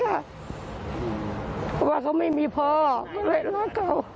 เพราะว่าเขาไม่มีพ่อก็เลยรักเก่า